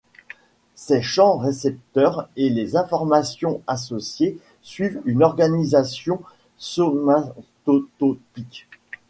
Ces champs récepteurs et les informations associées suivent une organisation somatotopique.